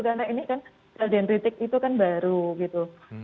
karena ini kan identitik itu kan baru gitu